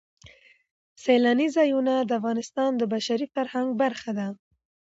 سیلاني ځایونه د افغانستان د بشري فرهنګ برخه ده.